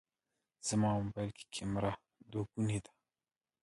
زما موبایل کې کمېره دوهګونې ده.